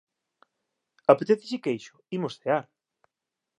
Apetéceche queixo, imos cear!